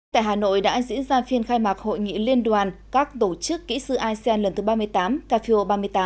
tại hà nội đã diễn ra phiên khai mạc hội nghị liên đoàn các tổ chức kỹ sư asean lần thứ ba mươi tám cafeo ba mươi tám